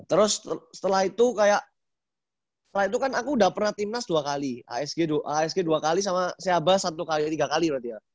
terus setelah itu kayak setelah itu kan aku udah pernah timnas dua kali asg dua kali sama seaba satu kali tiga kali berarti ya